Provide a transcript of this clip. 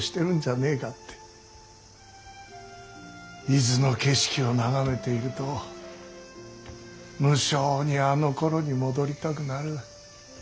伊豆の景色を眺めていると無性にあのころに戻りたくなる。